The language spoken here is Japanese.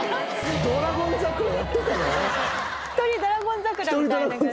一人『ドラゴン桜』みたいな感じで。